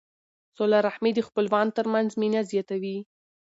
صله رحمي د خپلوانو ترمنځ مینه زیاتوي.